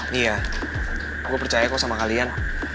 nih ya aku percaya kok sama kalian